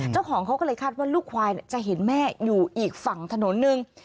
เจ้าของเขาก็เลยคาดว่าลูกควายจะเห็นแม่อยู่อีกฝั่งถนนหนึ่ง